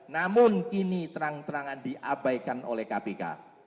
namun kini terang terangan diabaikan oleh kpk